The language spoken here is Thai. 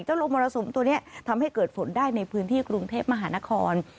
ลมมรสุมตัวนี้ทำให้เกิดฝนได้ในพื้นที่กรุงเทพมหานคร